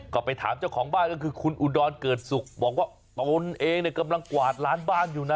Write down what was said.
ก็ไปถามเจ้าของบ้านก็คือคุณอุดรเกิดศุกร์บอกว่าตนเองกำลังกวาดร้านบ้านอยู่นะ